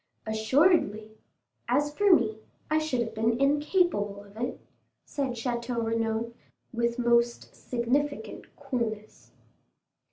"Assuredly; as for me, I should have been incapable of it," said Château Renaud, with most significant coolness.